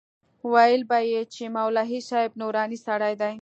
ويل به يې چې مولوي صاحب نوراني سړى دى.